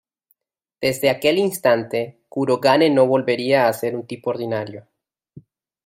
Desde aquel instante Kurogane no volvería a ser un tipo ordinario.